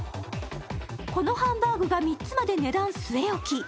このハンバーグが３つまで値段据え置き。